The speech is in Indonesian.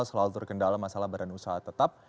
selalu terkendala masalah badan usaha tetap